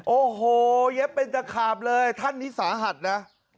โอ้หูเย็บไปจะขาดเลยท่านนี่สหัตถนะ